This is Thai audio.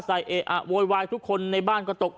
เออะโวยวายทุกคนในบ้านก็ตก